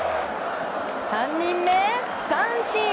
３人目、三振！